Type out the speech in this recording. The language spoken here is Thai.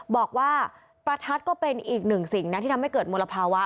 บอกว่าประทัดก็เป็นอีกหนึ่งสิ่งนะที่ทำให้เกิดมลภาวะ